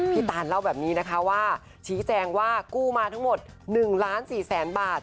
พี่ตาลเล่าแบบนี้นะคะว่าชี้แจงว่ากู้มาทั้งหมด๑๔๐๐๐๐๐บาท